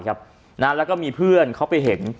แล้วก็มีเพื่อนเขาไปเห็น